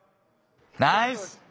ナイス！